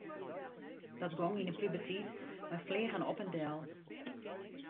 Dat gong yn de puberteit mei fleagen op en del.